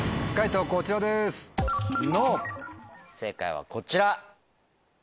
正解はこちら。